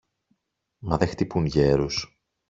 μα δε χτυπούν γέρους!